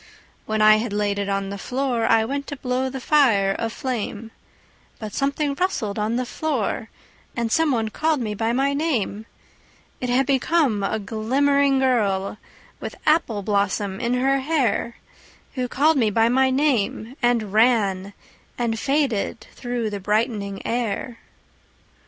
When I had laid it on the floor I went to blow the fire aflame, But something rustled on the floor, And some one called me by my name: It had become a glimmering girl With apple blossom in her hair Who called me by my name and ran And faded through the brightening air.